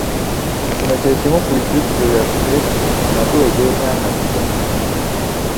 Kino kye kimu ku bijjukizo byaffe nga tuweza emyaka kikumi.